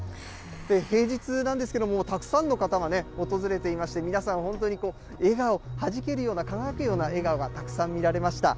平日なんですけども、たくさんの方が訪れていまして、皆さん、本当に笑顔はじけるような、輝くような笑顔がたくさん見られました。